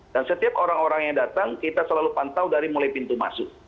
dan setiap orang orang yang datang kita selalu pantau dari mulai pintu masuk